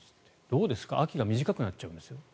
どうですか秋が短くなっちゃうんですよ。